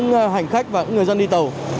những hành khách và những người dân đi tàu